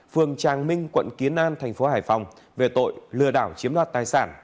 phường tràng minh quận kiến an thành phố hải phòng về tội lừa đảo chiếm đoạt tài sản